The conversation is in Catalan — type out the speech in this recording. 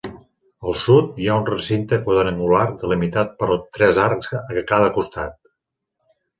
Al sud, hi ha un recinte quadrangular delimitat per tres arcs a cada costat.